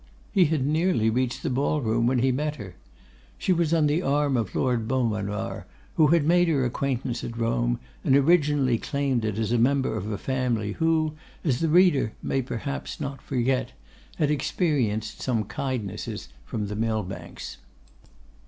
He had nearly reached the ball room when he met her. She was on the arm of Lord Beaumanoir, who had made her acquaintance at Rome, and originally claimed it as the member of a family who, as the reader may perhaps not forget, had experienced some kindnesses from the Millbanks.